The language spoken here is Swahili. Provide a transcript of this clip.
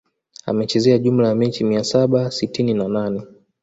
Amecheza jumla ya mechi mia saba sitini na nane